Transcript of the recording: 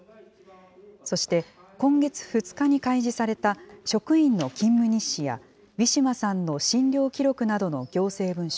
そして、今月２日に開示された職員の勤務日誌や、ウィシュマさんの診療記録などの行政文書